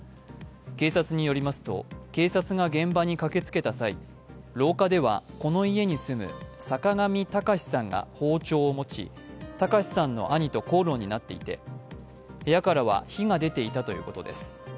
警察によりますと、警察が現場に駆けつけた際、廊下ではこの家に住む、坂上卓さんが包丁を持ち、卓さんの兄と口論になっていて、部屋からは火が出ていたということです。